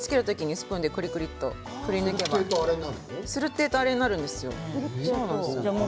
スプーンでくるくるとやればするってえとあれになるんですよ。